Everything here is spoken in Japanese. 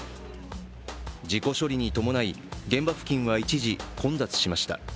事故処理に伴い現場付近は一時混雑しました。